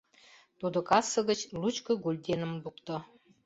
Тудо кассе гыч лучко гульденым лукто.